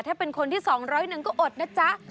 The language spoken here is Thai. ถ้าเป็นคนที่๒๐๐หนึ่งก็อดนะจ๊ะ